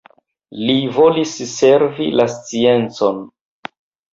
Li volis servi la sciencon.